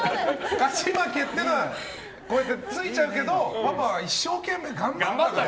勝ち負けっていうのはこうやってついちゃうけどパパは一生懸命頑張ったよ。